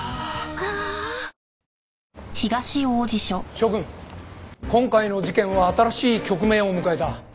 諸君今回の事件は新しい局面を迎えた。